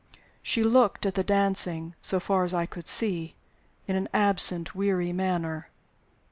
She looked at the dancing (so far as I could see) in an absent, weary manner.